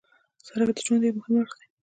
سړک د ژوند یو مهم اړخ دی.